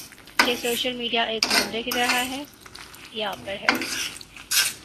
کہ social media ایک سمندر کی طرح ہے یہ آپ پر ہے